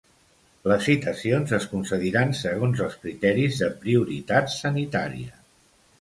Les citacions es concediran segons els criteris de prioritat sanitària.